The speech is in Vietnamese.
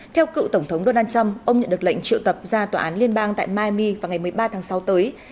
theo cựu tổng thống donald trump ông nhận được lệnh triệu tập ra tòa án liên bang tại maimi vào ngày một mươi ba tháng sáu tới